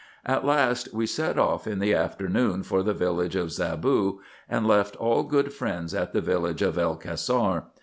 At last, we set off in the afternoon for the village of Zaboo, and left all good friends at the village of El Cassar.